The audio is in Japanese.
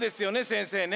先生ね。